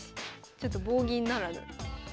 ちょっと棒銀ならぬ。